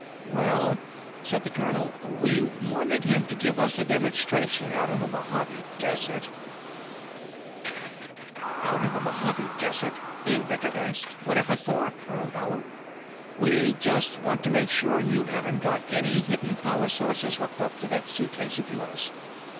"Well," said the colonel, "we wanted him to give us a demonstration out in the Mojave Desert ""... Out in the Mojave Desert?" the inventor asked. "Whatever for, Colonel Dower?" "We just want to make sure you haven't got any hidden power sources hooked up to that suitcase of yours.